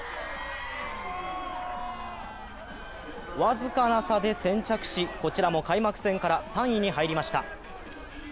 僅かな差で先着しこちらも開幕戦から３位に入りました。